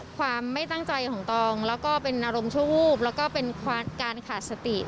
ก็เป็นการขาดสติ